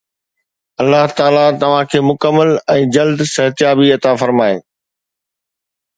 الله تعاليٰ توهان کي مڪمل ۽ جلد صحتيابي عطا فرمائي.